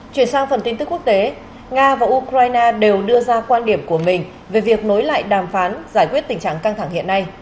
chuyển sang phần tin tức quốc tế nga và ukraine đều đưa ra quan điểm của mình về việc nối lại đàm phán giải quyết tình trạng căng thẳng hiện nay